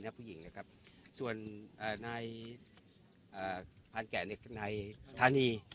นับปุ่งหญิงนะครับส่วนอ่านายอ่ะพันแก่คือนายธานี